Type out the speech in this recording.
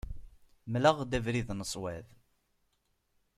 Mel-aɣ-d abrid n ṣṣwab.